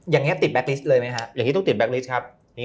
ยังไงติดแบ็คอิสเลยไหมครับ